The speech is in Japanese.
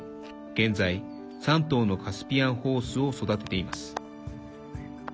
現在、３頭のカスピアンホースを育てています。